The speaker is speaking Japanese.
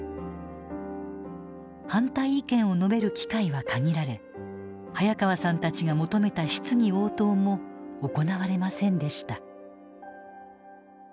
反対意見を述べる機会は限られ早川さんたちが求めた質疑応答も行われませんでした。